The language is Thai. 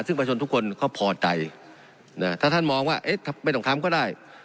ซึ่งประชนทุกคนเขาพอใจถ้าท่านมองว่าไม่ต้องทำก็ได้